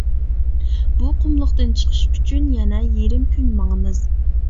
-بۇ قۇملۇقتىن چىقىش ئۈچۈن يەنە يېرىم كۈن ماڭىمىز.